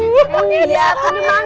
iya penuh semangat ya bu